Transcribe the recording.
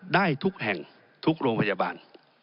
ได้ทุกแห่งทุกโรงพยาบาล